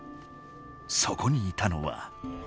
そこにいたのは。